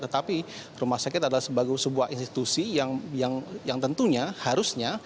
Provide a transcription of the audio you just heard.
tetapi rumah sakit adalah sebagai sebuah institusi yang tentunya harusnya